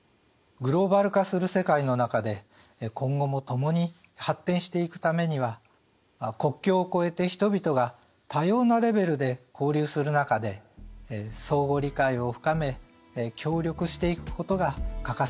グローバル化する世界の中で今後も共に発展していくためには国境を超えて人々が多様なレベルで交流する中で相互理解を深め協力していくことが欠かせないのではないでしょうか。